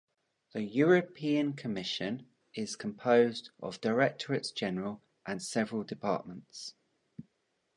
The European Commission is composed of Directorates-General and several departments.